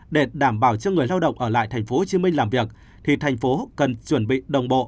để đảm bảo cho người lao động ở lại tp hcm làm việc thì thành phố cần chuẩn bị đồng bộ